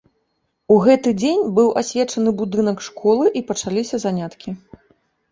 У гэты дзень быў асвечаны будынак школы і пачаліся заняткі.